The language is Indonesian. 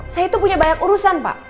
saya itu punya banyak urusan pak